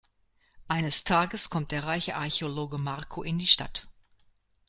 Eines Tages kommt der reiche Archäologe Marco in die Stadt.